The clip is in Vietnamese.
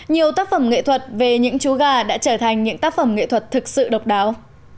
nhiều tác phẩm nghệ thuật về những chú gà đã trở thành những tác phẩm nghệ thuật thực sự độc đáo